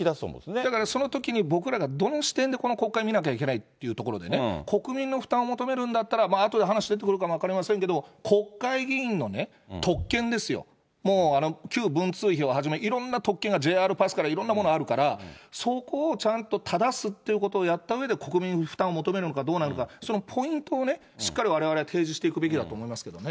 だからそのときに、僕らがどの視点でこの国会を見なきゃいけないというところでね、国民の負担を求めるんだったら、あとで話出てくるかもしれませんけど、国会議員の特権ですよ、もう、旧文通費をはじめ、いろんな特権が、ＪＲパスからいろんなものあるから、そこをちゃんと正すっていうことをやったうえで、国民負担を求めるのかどうなのか、そのポイントをね、しっかりわれわれは提示していくべきだと思いますけどね。